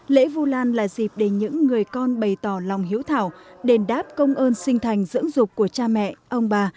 lễ vu lan là dịp để những người con bày tỏ lòng hiếu thảo đền đáp công ơn sinh thành dưỡng dục của cha mẹ ông bà